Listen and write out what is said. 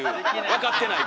分かってないから。